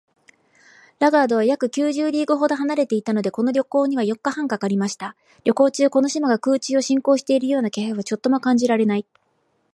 ラガードは約九十リーグほど離れていたので、この旅行には四日半かかりました。旅行中、この島が空中を進行しているような気配はちょっとも感じられない